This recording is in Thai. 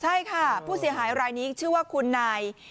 ใช่ค่ะผู้เสียหายรายนี้ชื่อว่าคุณนาย